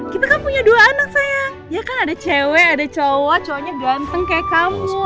kita kan punya dua anak sayang ya kan ada cewek ada cowok cowoknya ganteng kayak kamu